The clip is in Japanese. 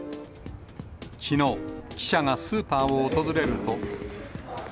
きのう、記者がスーパーを訪れると。